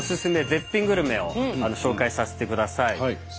絶品グルメを紹介させてください。